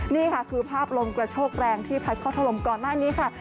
นี่ค่ะคือภาพลมกระโชกแรงที่พัดเข้าถล่มก่อนหน้านี้ค่ะ